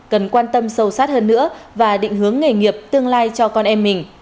cần quan tâm sâu sát hơn nữa và định hướng nghề nghiệp tương lai cho con em mình